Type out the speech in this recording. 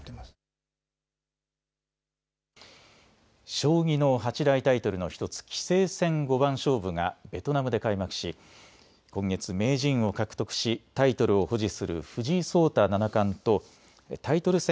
将棋の八大タイトルの１つ、棋聖戦五番勝負がベトナムで開幕し今月、名人を獲得しタイトルを保持する藤井聡太七冠とタイトル戦